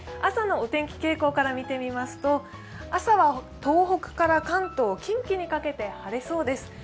朝のお天気傾向から見てみますと、朝は東北から関東、近畿にかけて晴れそうです。